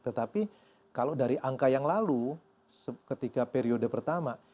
tetapi kalau dari angka yang lalu ketika periode pertama